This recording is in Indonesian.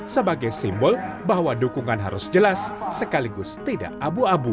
sebagai simbol bahwa dukungan harus jelas sekaligus tidak abu abu